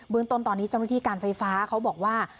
เมืองต้นตอนนี้เจ้าหน้าที่การไฟฟ้าเขาบอกว่า